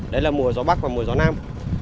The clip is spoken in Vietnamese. đấy là mùa gió bắc và mùa gió nam